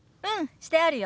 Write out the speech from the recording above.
してあるよ。